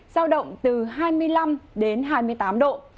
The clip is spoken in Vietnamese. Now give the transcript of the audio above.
giao động từ hai mươi năm đến hai mươi tám độ